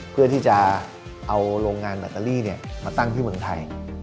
เพื่อที่จะเอาโรงงานแบตเตอรี่มาตั้งที่เมืองไทย